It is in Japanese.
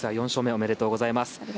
ありがとうございます。